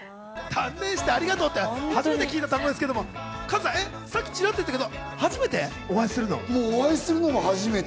断念して、ありがとうって初めて聞いた単語ですけど、さっき、ちらっと言ったけど、お会いするの初めて？